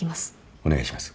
お願いします。